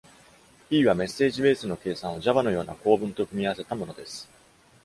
E は、メッセージベースの計算を Java のような構文と組み合わせたものです。